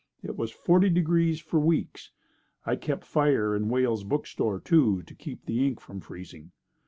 It was forty degrees for weeks. I kept fire in Wales bookstore, too, to keep the ink from freezing.